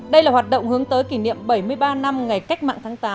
đây là hoạt động hướng tới kỷ niệm bảy mươi ba năm ngày cách mạng tháng tám